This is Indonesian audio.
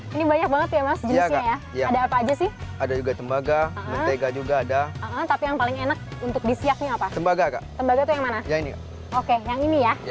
kita belas sekarang